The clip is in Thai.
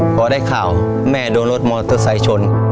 พอได้ข่าวแม่โดนรถมอเตอร์ไซค์ชน